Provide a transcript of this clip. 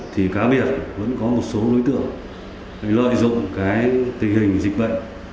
thì cá biệt vẫn có một số đối tượng lợi dụng cái tình hình dịch bệnh